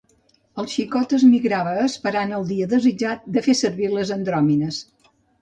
El xicot es migrava esperant el dia desitjat de fer servir les andròmines.